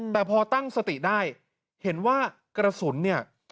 แต่พอตั้งสติได้เห็นว่ากระสุนเนี่ย